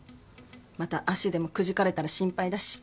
また足でもくじかれたら心配だし。